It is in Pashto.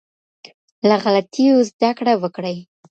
له غلطيو زده کړه وکړئ.